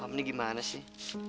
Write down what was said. fah ini gimana sih